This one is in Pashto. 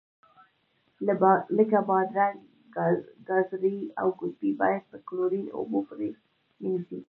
لکه بادرنګ، ګازرې او ګلپي باید په کلورین اوبو پرېمنځئ.